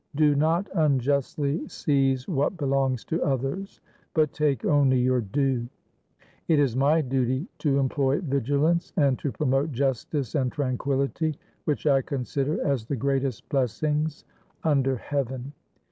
Do not unjustly seize what be longs to others, but take only your due. It is my duty to employ vigilance, and to promote justice and tran quillity, which I consider as the greatest blessings under heaven."